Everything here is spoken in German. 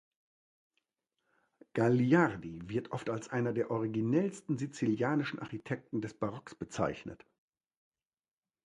Gagliardi wird oft als einer der originellsten sizilianischen Architekten des Barocks bezeichnet.